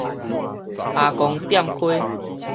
阿公店溪